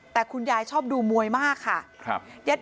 แต่คุณยายชอบดูมวยมากค่ะ